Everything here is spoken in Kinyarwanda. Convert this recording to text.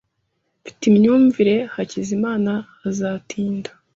Mfite imyumvire Hakizimana azatinda.